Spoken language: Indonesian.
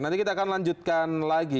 nanti kita akan lanjutkan lagi